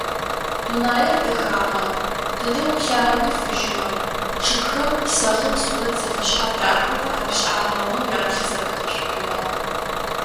Дунаир дэхагъэ: тыдэ уплъагъэми фыжьыгъэ, чъыгхэм сэхъым сурэт зэфэшъхьаф дахэу апишӏахьыгъэмэ уяплъы зэпыты пшӏоигъуагъ.